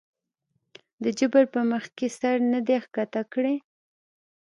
د جبر پۀ مخکښې سر نه دے ښکته کړے